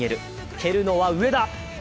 蹴るのは上田！